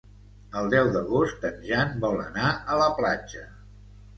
El deu d'agost en Jan vol anar a la platja.